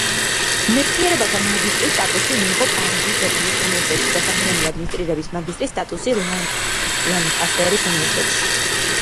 მეცნიერებათა მაგისტრის სტატუსი მიიღო პარიზის დოფინის უნივერსიტეტში და საქმიანი ადმინისტრირების მაგისტრის სტატუსი ლანკასტერის უნივერსიტეტში.